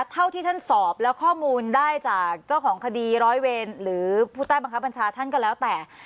เท่าที่ท่านสอบแล้วข้อมูลได้จากเจ้าของคดีร้อยเวรหรือผู้ใต้บังคับบัญชาท่านก็แล้วแต่